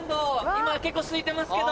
今結構空いてますけど。